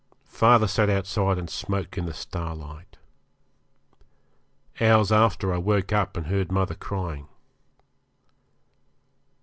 Father sat outside and smoked in the starlight. Hours after I woke up and heard mother crying.